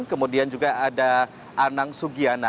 kemudian juga ada anang sugiana